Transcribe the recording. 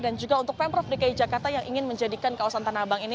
dan juga untuk pemprov dki jakarta yang ingin menjadikan kawasan tanah abang ini